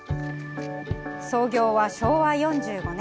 創業は昭和４５年。